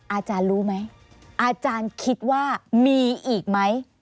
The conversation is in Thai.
อาจารย์รู้ไหมอาจารย์คิดว่ามีอีกไหม